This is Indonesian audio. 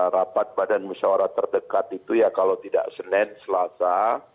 rapat badan musyawarah terdekat itu ya kalau tidak senin selasa